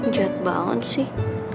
jat banget sih